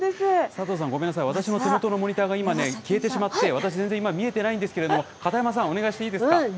佐藤さん、ごめんなさい、私の手元のモニターが消えてしまって、私、全然今、見えてないんですけれども、片山さん、お願いしていいですか？